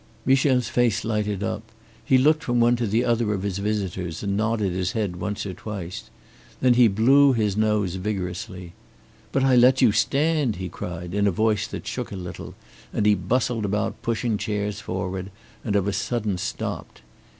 Michel's face lighted up. He looked from one to the other of his visitors and nodded his head once or twice. Then he blew his nose vigorously. "But I let you stand!" he cried, in a voice that shook a little, and he bustled about pushing chairs forward, and of a sudden stopped.